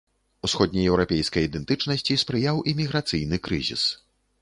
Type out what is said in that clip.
Усходнееўрапейскай ідэнтычнасці спрыяў і міграцыйны крызіс.